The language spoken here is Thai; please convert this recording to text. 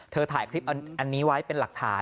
ถ่ายคลิปอันนี้ไว้เป็นหลักฐาน